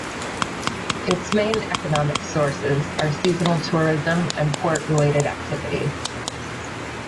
Its main economic sources are seasonal tourism and port related activities.